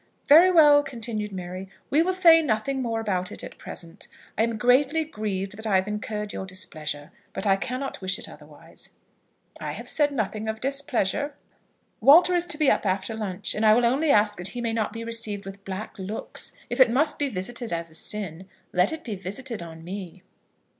"Very well," continued Mary; "we will say nothing more about it at present. I am greatly grieved that I have incurred your displeasure; but I cannot wish it otherwise." "I have said nothing of displeasure." "Walter is to be up after lunch, and I will only ask that he may not be received with black looks. If it must be visited as a sin, let it be visited on me."